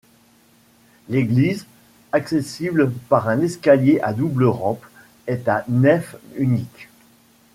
L'église, accessible par un escalier à double rampe, est à nef unique.